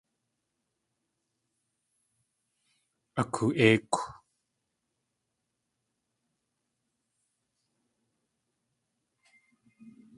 Akoo.éikw.